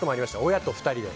親と２人で。